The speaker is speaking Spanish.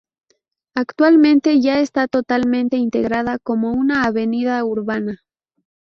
Actualmente ya está totalmente integrada como una avenida urbana.